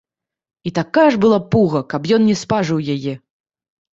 І такая ж была пуга, каб ён не спажыў яе!